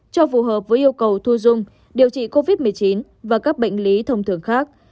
cho phù hợp với yêu cầu thu dung điều trị covid một mươi chín và các bệnh lý thông thường khác